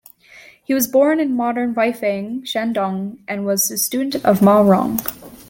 He was born in modern Weifang, Shandong, and was a student of Ma Rong.